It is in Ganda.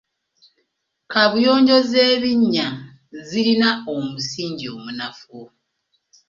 Kaabuyonjo z'ebinnya zirina omusingi omunafu.